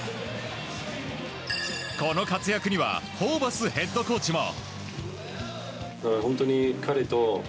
この活躍にはホーバスヘッドコーチも。